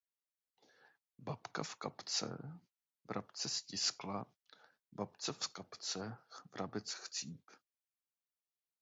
Babka v kapse vrabce stiskla, babce v kapse vrabec chcíp.